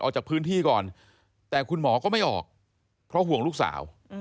ออกจากพื้นที่ก่อนแต่คุณหมอก็ไม่ออกเพราะห่วงลูกสาว